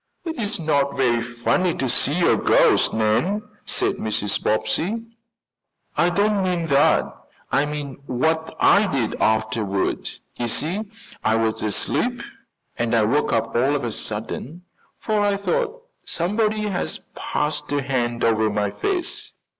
"It's not very funny to see a ghost, Nan," said Mrs. Bobbsey. "I don't mean that I mean what I did afterward. You see I was asleep and I woke up all of a sudden, for I thought somebody had passed a hand over my face.